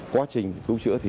quá trình cứu chữa